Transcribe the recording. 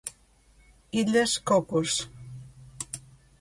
Illes Cocos.